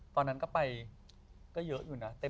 จะไปอยู่นะ